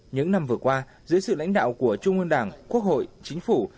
những năm vừa qua dưới sự lãnh đạo của trung ương đảng quốc hội chính phủ